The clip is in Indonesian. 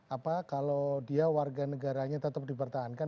apa kalau dia warga negaranya tetap dipertahankan